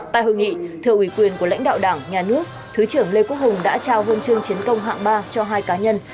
tại hội nghị thưa ủy quyền của lãnh đạo đảng nhà nước thứ trưởng lê quốc hùng đã trao huân chương chiến công hạng ba cho hai cá nhân